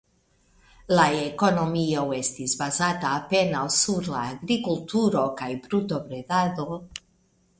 La ekonomio estis bazata apenaŭ sur la agrikulturo kaj brutobredado.